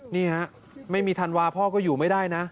นี่ฮะไม่มีธันวาพ่อก็อยู่ไม่ได้นะ